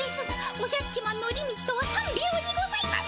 おじゃっちマンのリミットは３秒にございます！